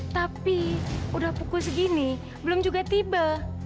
tapi udah pukul segini belum juga tiba